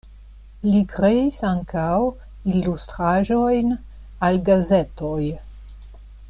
Li kreis ankaŭ ilustraĵojn al gazetoj.